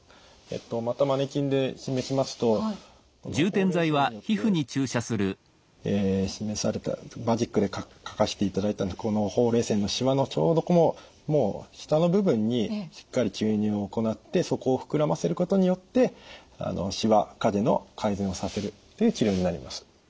またマネキンで示しますとこのほうれい線によって示されたマジックで書かせていただいたこのほうれい線のしわのちょうどもう下の部分にしっかり注入を行ってそこを膨らませることによってしわ影の改善をさせるっていう治療になります。